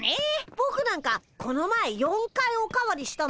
ぼくなんかこの前４回お代わりしたもんね。